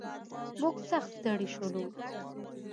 موږ سخت ستړي شولو.